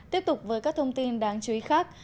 tiếp tục với các thông tin đáng chú ý khác